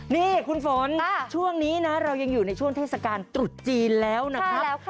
นี่คุณฝนช่วงนี้นะเรายังอยู่ในช่วงเทศกาลตรุษจีนแล้วนะครับ